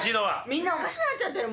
みんなおかしくなってる。